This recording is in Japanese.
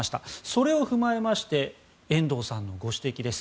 それを踏まえまして遠藤さんのご指摘です。